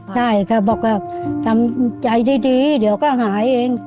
ใช่เขาบอกว่าทำใจดีเดี๋ยวก็หายเอง